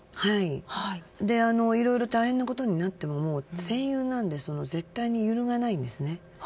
いろいろ大変なことになっても戦友なので絶対に揺るがないんですね。